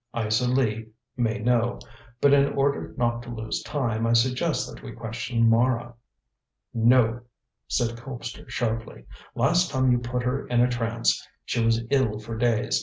Isa Lee may know, but in order not to lose time, I suggest that we question Mara." "No," said Colpster sharply. "Last time you put her in a trance she was ill for days.